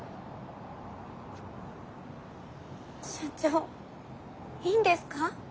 社長いいんですか？